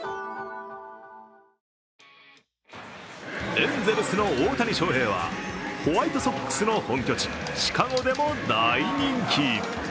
エンゼルスの大谷翔平はホワイトソックスの本拠地、シカゴでも大人気。